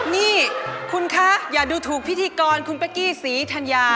นี่คุณคะอย่าดูถูกพิธีกรคุณเป๊กกี้ศรีธัญญา